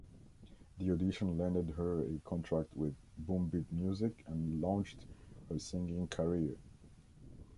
The audition landed her a contract with Boombeat Music and launched her singing career.